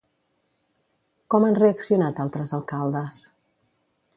Com han reaccionat altres alcaldes?